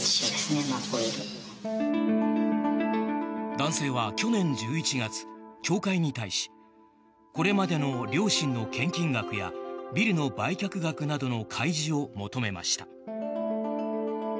男性は去年１１月、教会に対しこれまでの両親の献金額やビルの売却額などの開示を求めました。